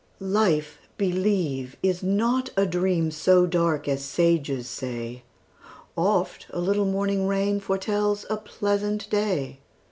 Life, believe, is not a dream So dark as sages say; Oft a little morning rain Foretells a pleasant day.